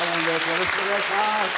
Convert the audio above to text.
よろしくお願いします。